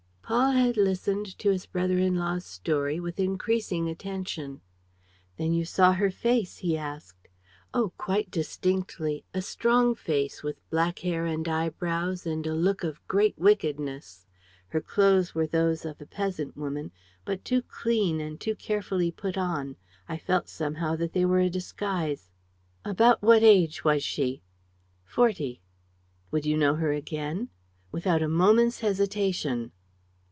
Paul had listened to his brother in law's story with increasing attention. "Then you saw her face?" he asked. "Oh, quite distinctly! A strong face, with black hair and eyebrows and a look of great wickedness. ... Her clothes were those of a peasant woman, but too clean and too carefully put on: I felt somehow that they were a disguise." "About what age was she?" "Forty." "Would you know her again?" "Without a moment's hesitation."